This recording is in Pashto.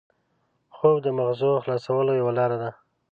خوب د مغز خلاصولو یوه لاره ده